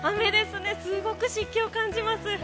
すごく湿気を感じます。